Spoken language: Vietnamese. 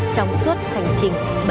trong suốt hành trình bảy mươi một năm qua